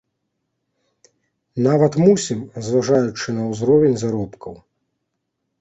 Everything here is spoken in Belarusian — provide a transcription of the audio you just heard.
Нават мусім, зважаючы на ўзровень заробкаў.